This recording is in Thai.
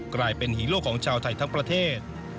กลายเป็นฮีโร่ของชาวไทยทั้งประเทศ